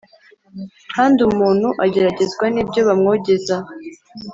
kandi umuntu ageragezwa n’ibyo bamwogeza